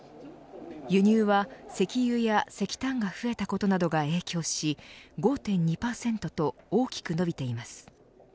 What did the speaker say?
輸入は石油や石炭が増えたことなどが影響し５．２％と大きく伸びています。